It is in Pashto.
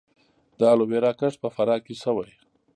د الوویرا کښت په فراه کې شوی